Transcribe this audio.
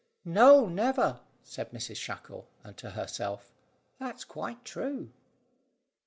"No, never," said Mrs Shackle; and to herself, "That's quite true."